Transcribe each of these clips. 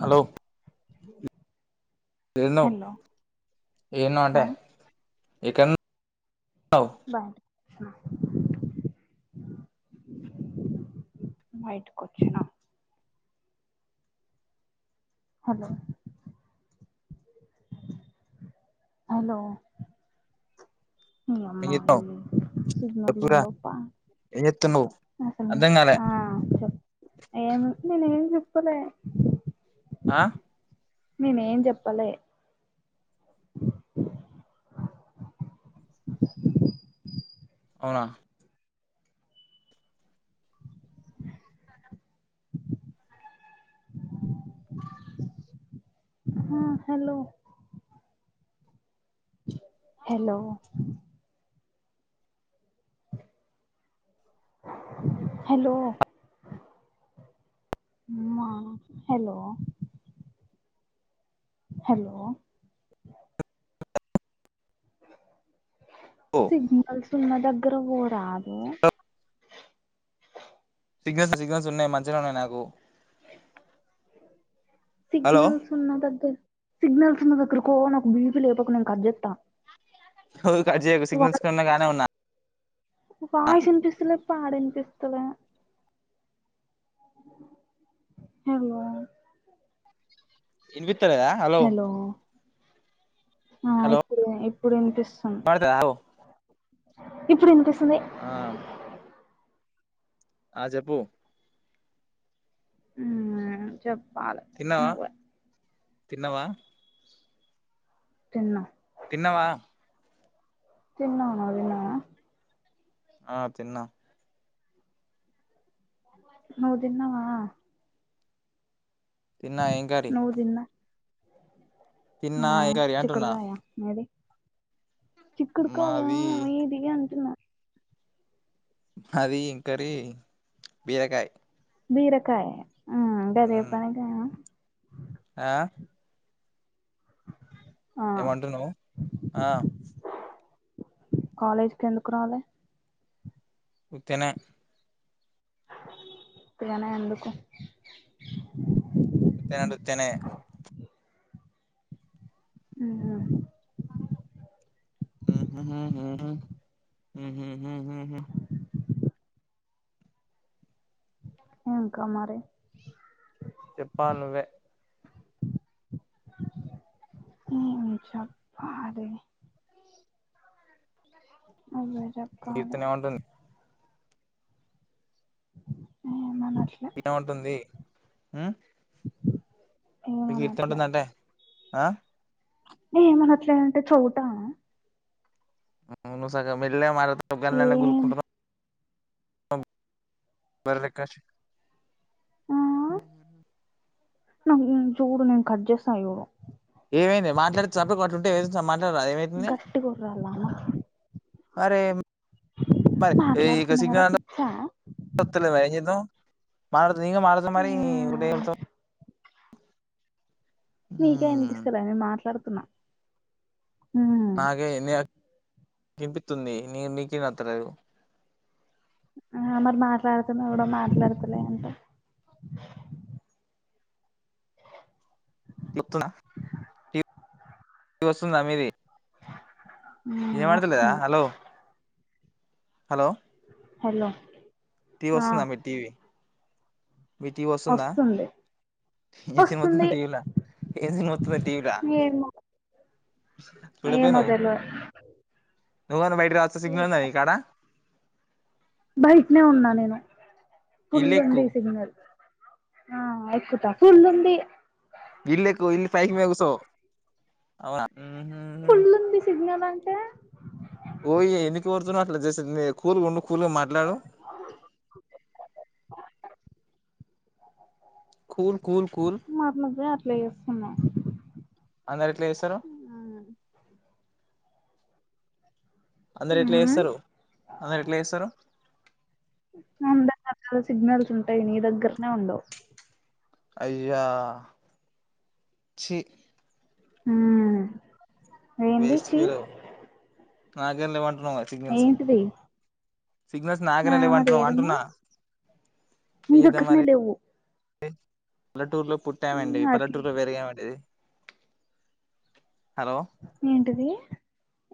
Hello ఎడ్యునావ్ hello ఎడ్యునావ్ ఆంటే ఎకన్ బయ బేటాకి వాచినా హలో హలో ఇ ఏం అమ్మా ఈ చేస్తున్నావ్ సినర్లు చెప్పురా ఉండప్ప ఏం చేస్తున్నావ్ అసలు అర్థం కాలే ఆ చెప్ ఏం నేను ఏం చెప్ కు లే ఆ నేను ఏం చెప్పాలి అవునా హ హలో హలో హలో ఉమ్మ హలో హలో ఓ సిగనల్ సన్నద అగ్రమ్ ఉరా ఊ సిగ్నల్స్ సిగ్నల్స్ ఉన్నాయి మంచిగా ఉన్నాయి నాకు హలో సిగ్నల్స్ ఉన్న దగ్గర సిగ్నల్స్ వున్నా దగ్గరకో నా ఒక బీవ లేపకు నె కర్జెత్తా ఓయ్ కట్ జేయకు సిగ్నల్స్ వున్నా గానే ఉన్నా వాష్ అనిపిస్తులే పాడ అనిపిస్ తబే హలో ఇన్ బిత్తలెదా హలో ఆ హలో ఇప్పుడు ఇప్పుడు వినిపిస్తుంది వినపడతదా హలో ఇప్పుడు ఎంత ఆ ఆ చెబూ ఉమ్ చెప్ తినవ తిన్నావా తిన్న తిన్నవా తిన్నా నువ్ తిన్నానా ఆ తిన్నా నూ దిన్నవా తిన ఎం కర్రీ నువ్వు తిన్నా ఆ తిన్నా ఏం కర్రీ అంటున్నా చిక్కుడుగాయ మీది చిక్డుకాయ మాది ఏది య అది ఇంకరి బీరకాయి బీరకాయ ఆ అంటే అదే పనిగా ఆ ఆ ఏమంటున్నావ్ ఆ కాలేజీకి ఎందుకు రాలే ఉత్తినే ఉత్తిగానే ఎందుకు ఉత్తిగా అంటే ఉత్తిగానే ఉహు ఉహు హు హు హు హు హు హ్మ్ ఇంకా మరి చెప్పాలి నువ్వే ఏం చెప్పాలి అబే కీర్తన ఎమ్ అంటుంది ఆ ఎమ్ అంటుంది హు మి కీర్తత్ అంటుంది అంటే ఆ ఏ మనట్లే అంటే చెవుటా [inaudible] నువ్వు సగం మెల్లగా మాట్ గాళ్ళల్లే ఏం గులుకుంటున్నావ్ బర్లెలెక్క అర్సు హ నం జోడు నిం కట్ చేస్తా ఇగో ఏమైందే మాట్లాడితే చెప్ప అట్లుంటే ఏ మా గట్టిగొర్రలన అరేమి మరి ఇక్కడ మాట్లాడుతున్నా కదా సిగ్నల్ పిచ్చా [inaudible] త్తలే మరి ఎం చేద్దాం మాట్లాడ్ ఫ్రీగా ఆ మాట్లాడదామని ఊడ్డే చెప్తావ్ మీకే ఉమ్ అనిపిస్తలే మీరు మాట్లాడు తున్న హం నాకే ఏంది వినిపిస్తుంది నీకే వినత్తలేదు ఆ మరి మాట్లాడుతున్న కూడా మాట్లాడుతాలే అంటావ్ మొతునా ఇ వస్తుంద మీది వినబడతలేదా వస్తుంది హలో హలో హలో టీవీ ఆ వస్తుందా మీ టీవీ మీ టీవి వస్తుందా వస్తుంది ఎం సినిమా వస్తుంది ఒతంది టీవీలా ఎం సినిమా ఒత్తంది టీవీలా ఏమో ఏమో సుడపోయినవు తెల్వదు నువ్వన్న బైట్ రా సిగ్నల్ ఉన్నదా చూస్తా ని కాడ బయటనే ఉన్నా నేను ఫుల్ ఇల్లెక్కు ఉంది సిగ్నల్ ఆ ఎక్కుత ఫుల్ ఉంది ఇల్లె క్కు ఇల్లు ఫైకి వోయి కుసో అవునా మ్ హు హ్మ్ ఫుల్ ఉంది సిగ్నల్ అంటే ఓయి ఎందికి వొరుతున్నవ్ అట్లు జేసింది కూలుగుండు కూల్ గా మాట్లాడు కూల్ కూల్ కూల్ మాట్లాడితే అట్లా యేస్సున్నా అందరు ఎట్లా యేస్సరు అందరు ఎట్లా ఉహు యెస్తరు అందరు ఎట్లా యేస్సరు నందా సిగ్నల్స్ ఉంటయ్ నీ దగ్గరనే ఉండవ్ అయ్యా ఛీ హ్మ్ వెేంది చీ నాగేంలే వన్ నోవ సిగ్నల్స్ సిగ్నల్స్ ఆ నాగనే లేవంటున్నవు అంటున్నా నీదగ్గరనే లేవ్వు పె ల్లెటూర్ లో పుట్టామండి అది పల్లెటూర్లో పెరిగామండి హలో ఏంటిది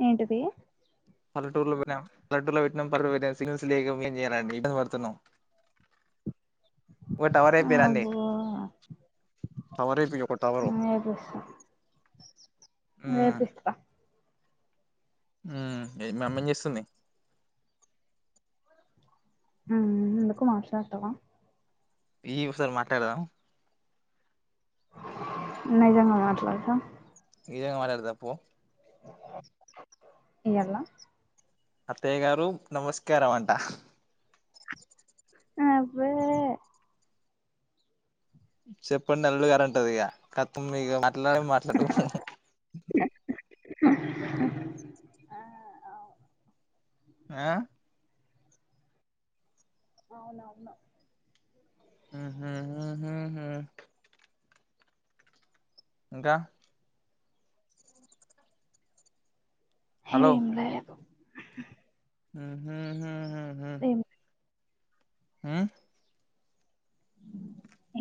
ఏంటిది పల్లెటూర్లో వుట్నం ల్లడూర్ లో వెట్నం [unintelligible] సిగ్నల్స్ లేవ్ ఇగ ఏంజేయాలండి ఇబ్బంది వడుతున్నాం. ఒక టవర్ రేపిరా అండి అబ్బో టవర్ ఏపియి ఒక టవరు వేపిస్తా మ్మ్ ఏ మా అమ్మ ఏం జేస్సుంది మ్మ్ ఎందుకు మాట్లాడుతవా ఇయ్యి ఒసారి మాట్లాడుదాము నిజంగా మాట్లాడుత ఇజంగా మాటాడతా పో ఇయ్యల్ల అత్తయ్య గారు నమస్కారం అంట అబ్బే చెప్పండి అల్లుడుగారు అంటది ఇగ కతం ఇగ మాట్లాడే మాట్లాడం ఆ అవును ఆ అవును అవును మ్మ్ హ్మ్ హ్ హుహూ ఇంకా హేం లేదు మ్మ్ హ్మ్ హు హూ హ ఏం ఉ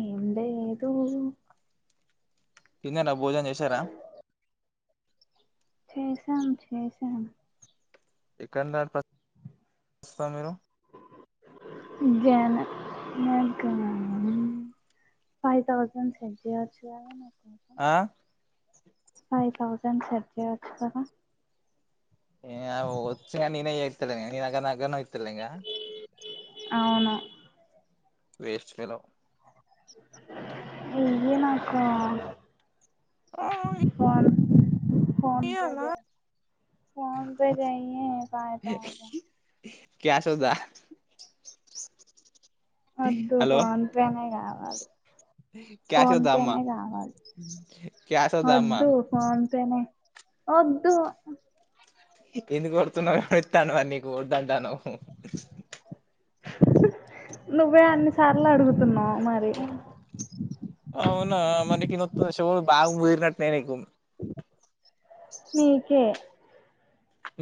ఏంలేదు కిందే నా భోజనం చేసారా చేసాను చేసాను ఎక్కడ నడుప స మీరు జన జన్కుమన్నది ఫైవ్ థౌసండ్ సెట్ చేయచ్చు కాద నాకు ఆ ఫైవ్ థౌజండ్ సెట్ చేయచ్చు కదా ఏ వచ్చూగానీ నేనే చేతలేను గని నిదగ నాదగ్గరున్న ఇ తెలంగా అవును వేస్ట్ ఫెలో ఇయ్యి నాకు ఫను ఫోన్ పే చే ఫోన్ పే చేయి ఫై తౌసన్ క్యాష్ వద్ద వద్దు ఫోన్పేనే కావ అది క్యాష్ ఫోన్ వద్దా అమ్మ పేనే కావాలి క్యాష్ వద్దా అమ్మ వద్దు ఫోన్ పేనే వద్దు ఎందుకు ఓరుతున్నావ్ ఎవడితండు మరి నీకు వొద్ద డను నువ్వే అన్ని సార్లు అడుగుతున్నావు మరి అవునా మరి నీకు ఇన్నొతుందా చెవులు బాగా ముదిరి నట్ ఉన్నాయి నీకు మీకే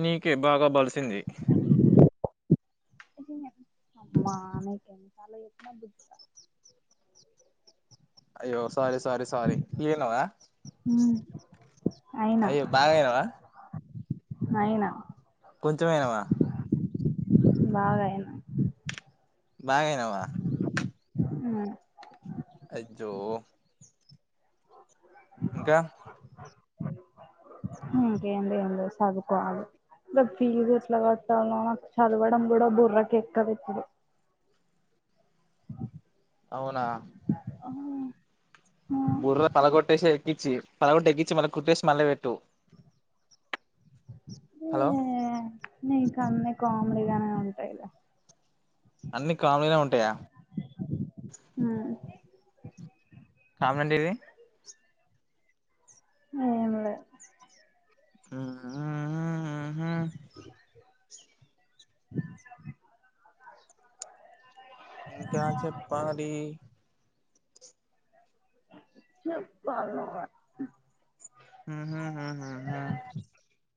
నీకే బాగా బలుస్ సింది అమ్మా నీకు ఎన్ని సార్ల చెప్పిన బుద్ధి రాదు అయ్యో సారీ సారీ సారీ ఫిలైనవ అయినా అయ్యో బాగాయినావా అయినా అయినవా బాగాయిన బాగాఅయినావా హ అజ్జో ఇంకా ఇంకేంది ఏంలే చదువుకోవాలే గా ఫీజు ఎట్లా కట్టాల్ నో నాకు చదవడం కూడా బుర్రకి ఎక్కదు ఇప్పుడు అవునా ఆ బుర్ర పల కొట్టేసి ఎక్కించి పలగొట్టి ఎక్కించి మళ్ళ కుట్టేసి మళ్ళ పెట్టు హలో నీ కన్ని కామెడీగానే ఉంటాయ్ ద అన్ని కామిలే ఉంటాయా. హు కామండి ఇవి ఏం లే ఆ ఉహు అ ఇంకా చెప్పాలి చెప్పాల్ నువే హ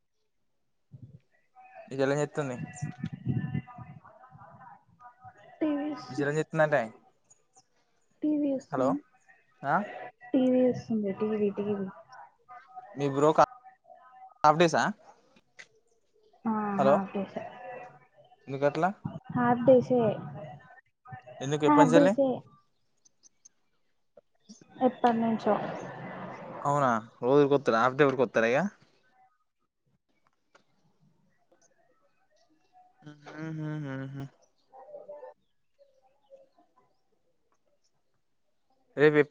ఇదెలా చెత్తుంది. టీవీ విశరంజ్ చెత్త్ నంటే టీవి వుస్సుంది, ఆ టీవి స్సుంది, టీవి టీవి మీ బ్రో కా ఆఫ్ డేసా ఆ హలో ఆఫీసె ఎందుకు అట్లా ఆఫ్ డేసే ఎందుకు ఆఫ్ ఎప్పనుంచెల్లి డేసే ఎప్పన్నుంచో అవునా రోజుకి కొత్తరా ఆఫ్ డే వరకు వత్తరయె ఉహుహు రేప్